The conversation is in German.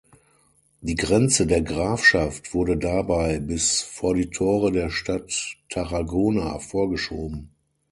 Die Grenze der Grafschaft wurde dabei bis vor die Tore der Stadt Tarragona vorgeschoben.